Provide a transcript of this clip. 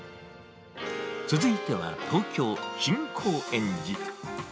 続いては、東京・新高円寺。